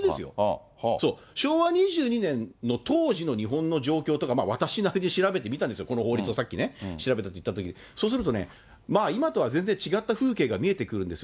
昭和２２年の当時の日本の状況とか、私なりに調べてみたんですよ、この法律をさっきね、調べたといったときに、そうするとね、今とは全然違った風景が見えてくるんですよ。